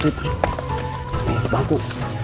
ternyata dia udah kabur